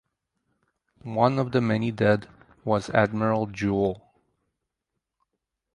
One of the many dead was admiral Juel.